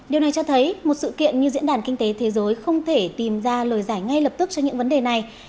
điều này cho thấy một sự kiện như diễn đàn kinh tế thế giới không thể tìm ra lời giải ngay lập tức cho những vấn đề này